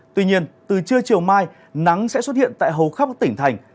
tuy nhiên từ chiều mai nắng sẽ xuất hiện tại hầu khắp tỉnh thành